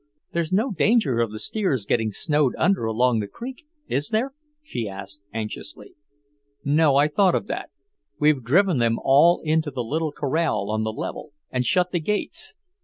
"There's no danger of the steers getting snowed under along the creek, is there?" she asked anxiously. "No, I thought of that. We've driven them all into the little corral on the level, and shut the gates.